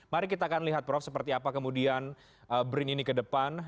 mari kita akan lihat prof seperti apa kemudian brin ini ke depan